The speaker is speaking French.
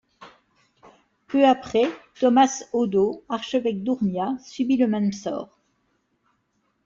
Peu après, Thomas Audo, archevêque d'Ourmiah, subit le même sort.